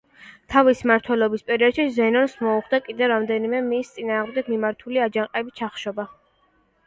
თავისი მმართველობის პერიოდში ზენონს მოუხდა კიდევ რამდენიმე, მის წინააღმდეგ მიმართული, აჯანყების ჩახშობა.